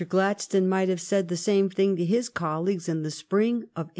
Gladstone might have said the same thing to his colleagues in the spring of 1853.